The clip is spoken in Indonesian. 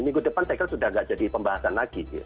minggu depan teker sudah nggak jadi pembahasan lagi